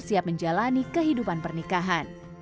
siap menjalani kehidupan pernikahan